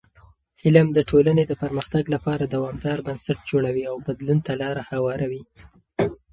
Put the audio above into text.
علم د ټولنې د پرمختګ لپاره دوامدار بنسټ جوړوي او بدلون ته لاره هواروي.